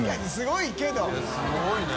いすごいね。